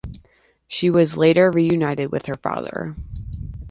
She was later reunited with her father.